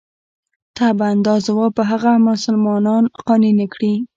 طبعاً دا ځواب به هغه مسلمانان قانع نه کړي.